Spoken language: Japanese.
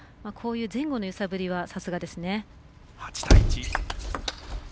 こういう前後の揺さぶりはさすがですね。